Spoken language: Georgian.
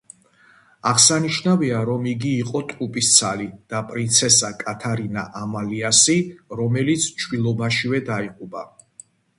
აღსანიშნავია, რომ იგი იყო ტყუპისცალი და პრინცესა კათარინა ამალიასი, რომელიც ჩვილობაშივე დაიღუპა.